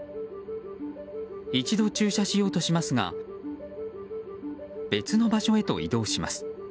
一度、駐車しようとしますが別の場所へと移動します。